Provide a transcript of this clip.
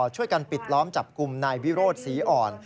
ช่วยกันปิดล้อมจับกลุ่มนายวิโรธศรีอ่อน